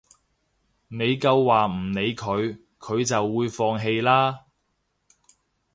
你夠話唔理佢，佢就會放棄啦